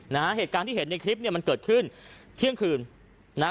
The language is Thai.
เหตุการณ์ที่เห็นในคลิปเนี่ยมันเกิดขึ้นเที่ยงคืนนะฮะ